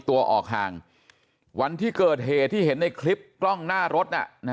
ตัวออกห่างวันที่เกิดเหตุที่เห็นในคลิปกล้องหน้ารถ